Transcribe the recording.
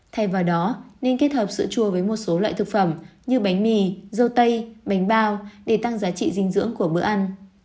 thay vào đó nên kết hợp sữa chua với một số loại thực phẩm như bánh mì dâu tây bánh bao để tăng giá trị dinh dưỡng của bữa ăn